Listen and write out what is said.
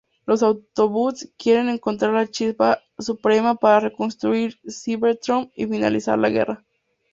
Los Autobots quieren encontrar la Chispa Suprema para reconstruir Cybertron y finalizar la guerra.